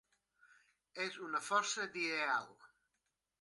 És una força d'ideal.